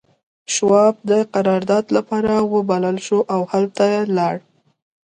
شواب د قرارداد لپاره وبلل شو او هلته لاړ